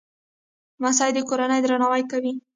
لمسی د کورنۍ درناوی کوي.